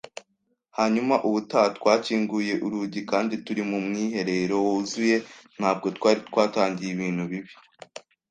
hanyuma ubutaha twakinguye urugi kandi turi mu mwiherero wuzuye. Ntabwo twari twatangiye ibintu bibi